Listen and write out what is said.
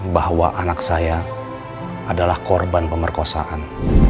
bahwa anak saya adalah korban pemerkosaan